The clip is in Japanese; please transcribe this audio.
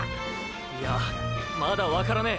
いやまだわからねェ。